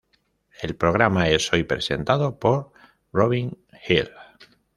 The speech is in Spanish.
El programa es hoy presentado por Robin Gill.